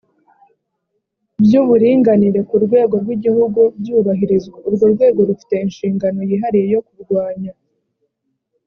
by uburinganire ku rwego rw igihugu byubahirizwa urwo rwego rufite inshingano yihariye yo kurwanya